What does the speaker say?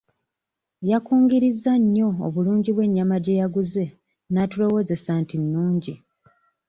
Yakungirizza nnyo obulungi bw'ennyama gye yaguze n'atulowoozesa nti nnungi.